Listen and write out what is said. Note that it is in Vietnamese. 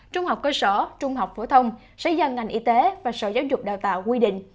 trung học cơ sở trung học phổ thông sẽ do ngành y tế và sở giáo dục đào tạo quy định